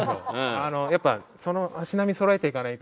やっぱその足並みそろえていかないと。